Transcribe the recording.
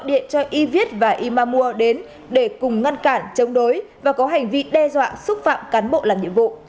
các đối tượng đã gọi điện cho yviek và imam mua đến để cùng ngăn cản chống đối và có hành vi đe dọa xúc phạm cán bộ làm nhiệm vụ